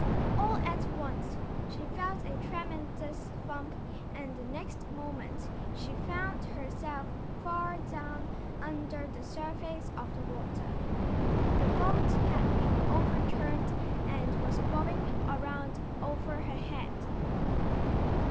All at once she felt a tremendous thump and the next moment she found herself far down under the surface of the water. The boat had been overturned and was bobbing around over her head.